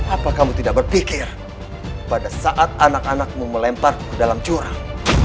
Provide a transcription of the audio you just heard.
apa kamu tidak berpikir pada saat anak anakmu melemparku ke dalam curang